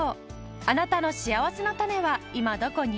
あなたのしあわせのたねは今どこに？